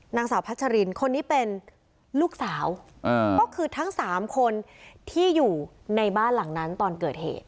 นางสาวพัชรินคนนี้เป็นลูกสาวก็คือทั้งสามคนที่อยู่ในบ้านหลังนั้นตอนเกิดเหตุ